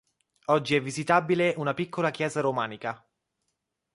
Oggi è visitabile una piccola chiesa romanica.